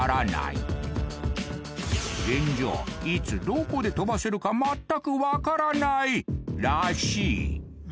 いつどこで飛ばせるかまったくわからないらしい